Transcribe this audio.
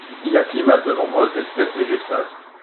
Il acclimate de nombreuses espèces végétales.